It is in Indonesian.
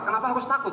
kenapa harus takut